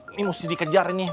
ini mesti dikejar nih